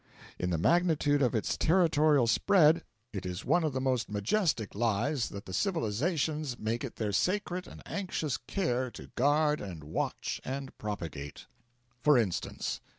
In the magnitude of its territorial spread it is one of the most majestic lies that the civilisations make it their sacred and anxious care to guard and watch and propagate. For instance.